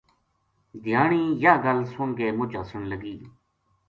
دھیانی یاہ گل سُن کے مُچ ہسن لگی